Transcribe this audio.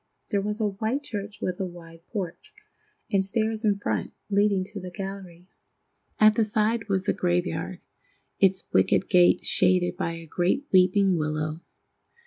There was a white church with a wide porch, and stairs in front, leading to the gallery. At the side was the graveyard, its wicket gate shaded by a great weeping willow.